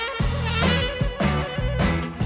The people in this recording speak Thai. รับทราบ